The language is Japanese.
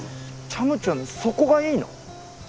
チャムちゃんそこがいいの？